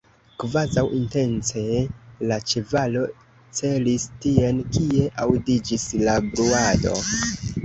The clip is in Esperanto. Kvazaŭ intence, la ĉevalo celis tien, kie aŭdiĝis la bruado.